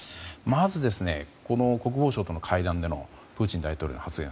まず、国防相との会談でのプーチン大統領の発言